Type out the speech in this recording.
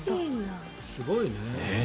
すごいね。